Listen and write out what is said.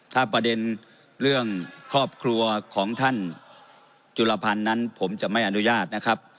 ถ้าประเด็นเรื่องครอบครัวของท่านจุลพันธ์นั้นผมจะไม่อนุญาตนะครับ